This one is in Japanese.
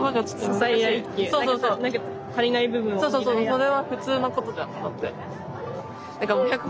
それは普通なことじゃんだって。